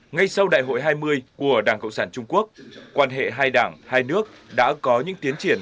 ngay sau đại hội hai mươi của đảng cộng sản trung quốc quan hệ hai đảng hai nước đã có những tiến triển